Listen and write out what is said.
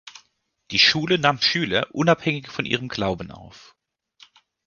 Die Schule nahm Schüler unabhängig von ihrem Glauben auf.